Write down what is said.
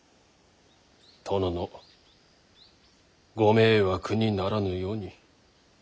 殿のご迷惑にならぬように。